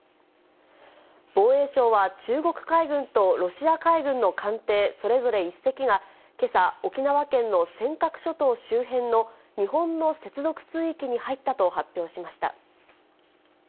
防衛省は中国海軍とロシア海軍の艦艇それぞれ１隻が、けさ、沖縄県の尖閣諸島周辺の日本の接続水域に入ったと発表しました。